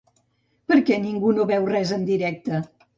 Per què ningú no veu res en directe?